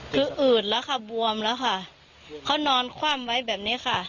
คืออืดแล้วค่ะบวมแล้วค่ะเขานอนคว่ำไว้แบบนี้ค่ะ